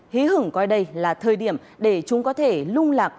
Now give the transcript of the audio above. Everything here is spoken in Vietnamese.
hí hứng coi đây là thời điểm để chúng có thể lung lạc